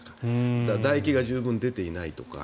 だ液が十分出ていないとか。